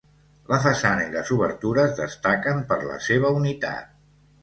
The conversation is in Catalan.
La façana i les obertures destaquen per la seva unitat.